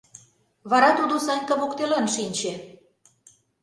Вара тудо Санька воктелан шинче.